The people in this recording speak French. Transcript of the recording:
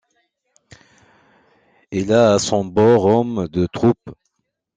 Il a à son bord hommes de troupes.